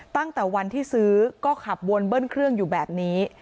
ตั้งแต่วันที่ซื้อก็ขับวนเบิ้ลเครื่องอยู่แบบนี้